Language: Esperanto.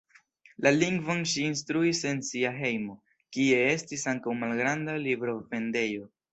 La lingvon ŝi instruis en sia hejmo, kie estis ankaŭ malgranda librovendejo.